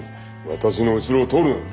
私の後ろを通るな。